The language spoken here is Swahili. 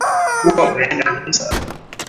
Huwa unaenda kanisa.